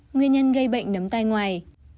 nguyên nhân gây bệnh nấm tay ngoài